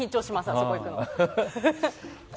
あそこに行くの。